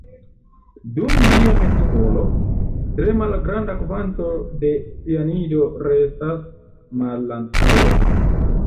Dum ĝia metabolo, tre malgranda kvanto de cianido restas malantaŭe.